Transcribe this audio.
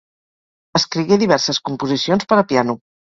Escrigué diverses composicions per a piano.